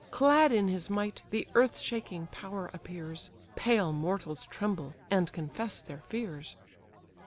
Clad in his might, the earth shaking power appears; Pale mortals tremble, and confess their fears.